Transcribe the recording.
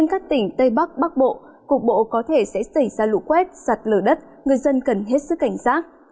cục bộ có thể sẽ xảy ra lũ quét sạt lở đất người dân cần hết sức cảnh giác